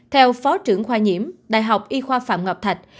theo phó trưởng khoa nhiễm đại học y khoa phạm ngọc thạch